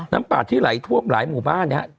น้ำป่าที่ไหลทวบหลายหมู่บ้านนี้